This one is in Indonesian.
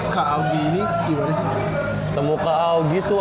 ketemu kak augi tuh